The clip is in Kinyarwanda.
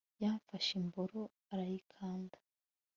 yamfashe imboro arayikanda